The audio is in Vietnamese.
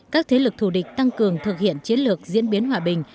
các thế lực thù địch tăng cường thực hiện chiến lược diễn biến hòa bình